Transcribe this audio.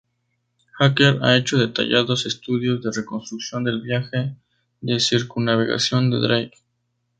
Aker ha hecho detallados estudios de reconstrucción del viaje de circunnavegación de Drake.